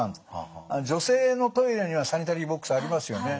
女性のトイレにはサニタリーボックスありますよね。